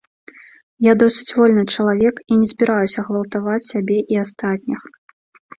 Я досыць вольны чалавек і не збіраюся гвалтаваць сябе і астатніх.